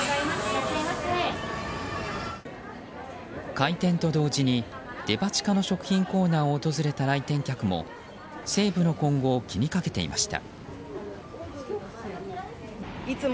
開店と同時にデパ地下の食品コーナーを訪れた来店客も西武の今後を気にかけていました。